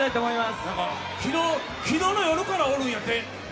昨日の夜からおるんやって。